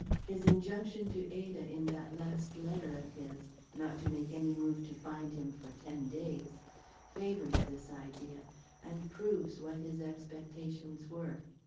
His injunction to Ada in that last letter of his not to make any move to find him for ten days favors this idea, and proves what his expectations were.